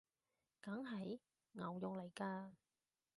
梗係！牛肉來㗎！